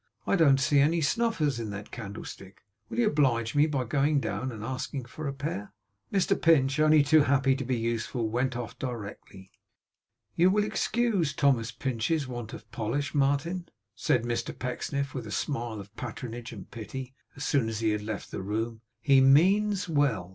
'I don't see any snuffers in that candlestick. Will you oblige me by going down, and asking for a pair?' Mr Pinch, only too happy to be useful, went off directly. 'You will excuse Thomas Pinch's want of polish, Martin,' said Mr Pecksniff, with a smile of patronage and pity, as soon as he had left the room. 'He means well.